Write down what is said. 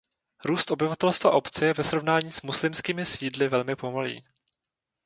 Růst obyvatelstva obce je ve srovnání s muslimskými sídly velmi pomalý.